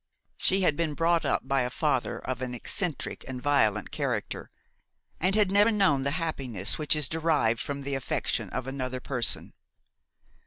She had been brought up by a father of an eccentric and violent character, and had never known the happiness which is derived from the affection of another person.